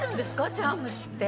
茶碗蒸しって。